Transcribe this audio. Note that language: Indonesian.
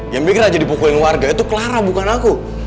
yang bikin raja dipukulin warga itu clara bukan aku